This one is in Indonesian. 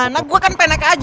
nah gua kan pake nek aja